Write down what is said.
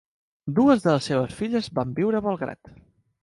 Dues de les seves filles van viure a Belgrad.